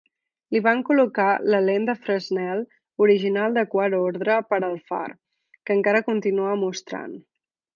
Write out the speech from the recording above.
Li van col·locar la lent de Fresnel original de quart ordre per al far, que encara continua mostrant.